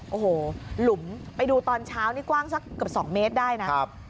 โอ้โหหลุมไปดูตอนเช้านี่กว้างสักเกือบ๒เมตรได้นะ